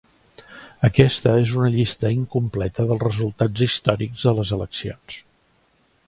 Aquesta és una llista incompleta dels resultats històrics de les eleccions.